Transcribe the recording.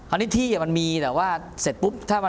อันนี้ที่มันมีแต่ว่าเสร็จปุ๊บถ้ามา